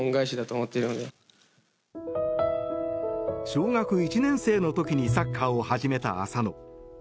小学１年生の時にサッカーを始めた浅野。